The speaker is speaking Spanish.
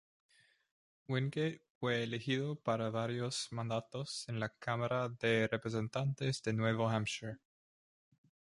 Wingate fue elegido para varios mandatos en la Cámara de Representantes de Nuevo Hampshire.